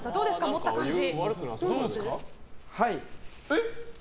持った感じ。